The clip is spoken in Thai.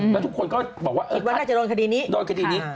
แล้วทุกคนก็บอกว่าคิดว่าน่าจะโดนคดีนี้